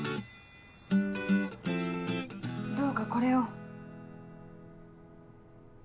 どうかこれを。